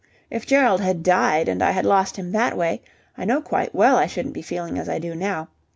If Gerald had died and I had lost him that way, I know quite well I shouldn't be feeling as I do now.